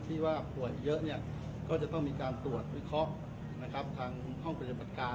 ที่ว่าผ่วยเยอะเนี่ยก็จะต้องมีการตรวจวิเคราะห์ข้องปธิบัติการ